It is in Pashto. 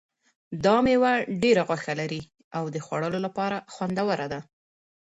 دا مېوه ډېره غوښه لري او د خوړلو لپاره خوندوره ده.